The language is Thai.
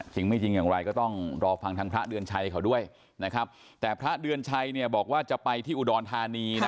จริงไม่จริงอย่างไรก็ต้องรอฟังทางพระเดือนชัยเขาด้วยนะครับแต่พระเดือนชัยเนี่ยบอกว่าจะไปที่อุดรธานีนะ